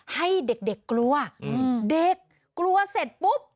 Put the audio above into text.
ให้เด็กกลัวเด็กกลัวเสร็จปุ๊บ